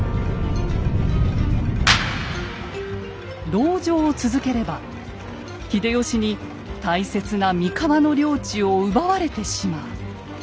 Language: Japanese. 籠城を続ければ秀吉に大切な三河の領地を奪われてしまう。